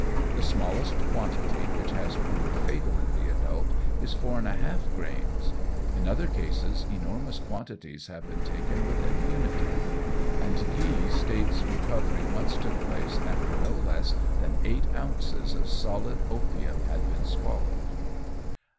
The smallest quantity which has proved fatal in the adult is 4½ grains; in other cases enormous quantities have been taken with impunity; and Guy states recovery once took place after no less than eight ounces of solid opium had been swallowed.